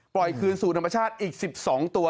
ปล่อยคืนสูตรธรรมชาติอีกสิบสองตัว